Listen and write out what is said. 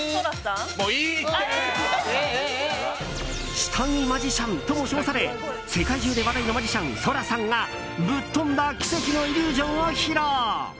下着マジシャンとも称され世界中で話題のマジシャンＳＯＲＡさんがぶっ飛んだ奇跡のイリュージョンを披露！